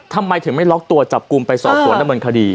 ทำไมถึงไม่ล็อกตัวจับกลุ่มไปสอบสวนดำเนินคดี